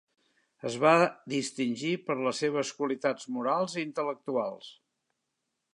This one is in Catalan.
Es va distingir per les seves qualitats morals i intel·lectuals.